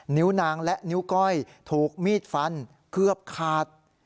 นิ้วนางและนิ้วก้อยถูกมีดฟันเกือบขาด